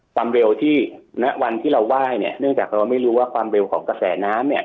ความเร็วที่ณวันที่เราไหว้เนี่ยเนื่องจากเราไม่รู้ว่าความเร็วของกระแสน้ำเนี่ย